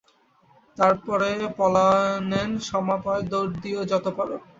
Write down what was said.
তার পরে পলায়নেন সমাপয়েৎ–দৌড় দিয়ো যত পার।